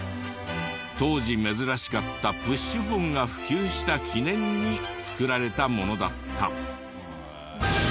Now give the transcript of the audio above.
当時珍しかったプッシュホンが普及した記念に造られたものだった。